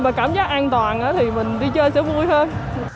và cảm giác an toàn thì mình đi chơi sẽ vui hơn